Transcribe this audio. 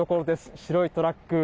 白いトラック。